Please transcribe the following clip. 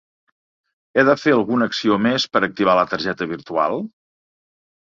He de fer alguna acció més per activar la targeta virtual?